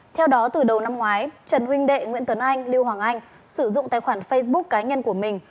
theo đó từ đầu năm ngoái trần huỳnh đệ nguyễn tuấn anh lưu hoàng anh sử dụng tài khoản facebook cá nhân của mình